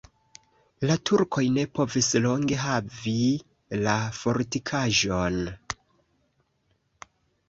La turkoj ne povis longe havi la fortikaĵon.